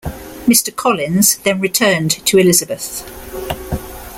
Mr. Collins then returned to Elizabeth.